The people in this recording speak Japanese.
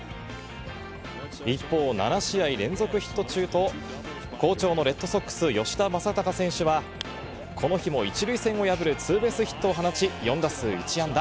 一方、７試合連続ヒット中と好調のレッドソックス、吉田正尚選手は、この日も一塁線を破るツーベースヒットを放ち、４打数１安打。